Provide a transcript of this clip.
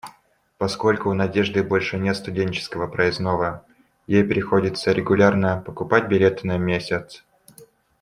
Поскольку у Надежды больше нет студенческого проездного, ей приходится регулярно покупать билеты на месяц.